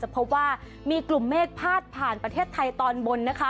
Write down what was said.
เพราะว่ามีกลุ่มเมฆพาดผ่านประเทศไทยตอนบน